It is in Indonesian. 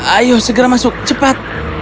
ayo segera masuk cepat